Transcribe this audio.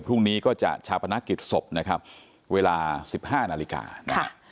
พรุ่งนี้ก็จะชาปนักกิจศพนะครับเวลา๑๕นาฬิกาค่ะ